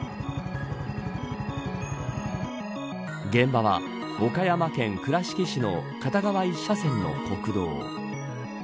現場は岡山県、倉敷市の片側１車線の国道。